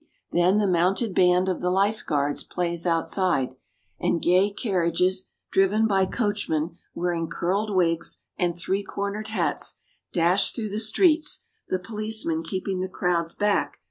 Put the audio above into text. Then the mounted band of the Life Guards plays outside, and gay carriages, driven by coachmen wear ing curled wigs and three cornered hats, dash through the streets, the policemen keeping the crowds back.